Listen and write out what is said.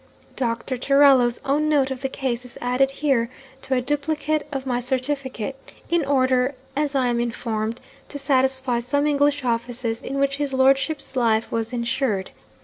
Doctor Torello's own note of the case is added here to a duplicate of my certificate, in order (as I am informed) to satisfy some English offices in which his lordship's life was insured.